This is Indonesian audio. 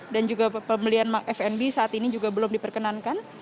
dan juga pembelian fnb saat ini juga belum diperkenankan